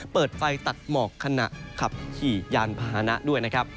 เปิดไฟตัดหมอกขณะขับขี่ยานพาหนะด้วยนะครับ